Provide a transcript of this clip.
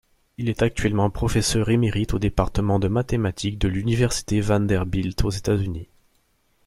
Il est actuellement professeur émérite au département de mathématiques de l'Université Vanderbilt aux États-Unis.